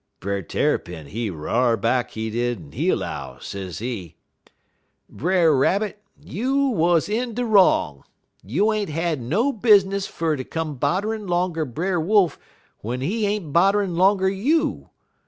"Brer Tarrypin, he r'ar back, he did, en he 'low, sezee: "'Brer Rabbit, you wuz in de wrong. You ain't had no business fer ter come bodderin' 'longer Brer Wolf w'en he ain't bodderin' 'longer you.